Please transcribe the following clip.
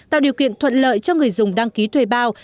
tạo điều kiện thuận lợi cho người dùng đăng ký thuê bao